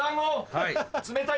はい。